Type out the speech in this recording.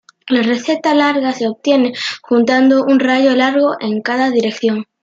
La recta larga se obtiene juntando un rayo largo en cada dirección.